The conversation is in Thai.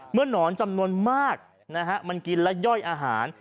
เมื่อนอนจำนวนมากนะครับมันกินและย่อยอาหาร